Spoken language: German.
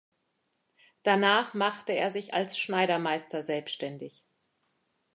Danach machte er sich als Schneidermeister selbstständig.